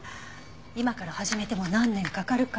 今から始めても何年かかるか。